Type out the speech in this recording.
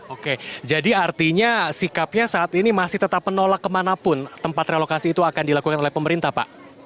oke jadi artinya sikapnya saat ini masih tetap menolak kemanapun tempat relokasi itu akan dilakukan oleh pemerintah pak